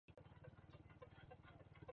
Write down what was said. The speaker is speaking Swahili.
Upungufu wote.